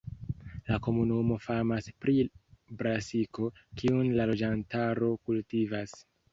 La komunumo famas pri brasiko, kiun la loĝantaro kultivas.